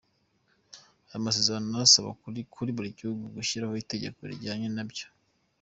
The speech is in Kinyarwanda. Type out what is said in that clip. Ayo masezerano asaba buri gihugu kwishyiriraho itegeko rijyanye nabyo.